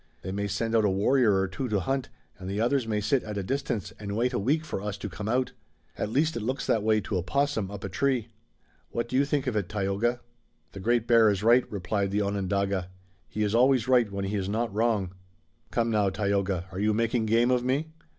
They may send out a warrior or two to hunt, and the others may sit at a distance and wait a week for us to come out. At least it looks that way to a 'possum up a tree. What do you think of it, Tayoga?" "The Great Bear is right," replied the Onondaga. "He is always right when he is not wrong." "Come now, Tayoga, are you making game of me?"